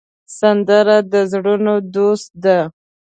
سندره د زړونو دوست ده